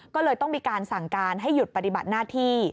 ก็เลยต้องมีการสั่งการให้หยุดปฏิบัติหน้าที่